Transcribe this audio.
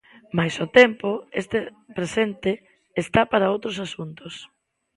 Mais o tempo, este presente, está xa para outros asuntos.